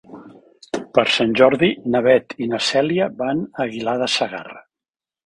Per Sant Jordi na Beth i na Cèlia van a Aguilar de Segarra.